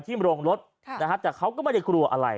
โรงรถแต่เขาก็ไม่ได้กลัวอะไร